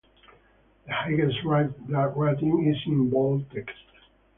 The highest rating is in bold text.